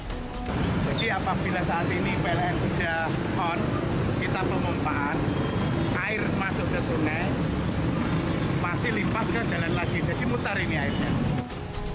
jadi apabila saat ini pln sudah on kita pemompaan air masuk ke sungai masih limpaskan jalan lagi jadi mutar ini airnya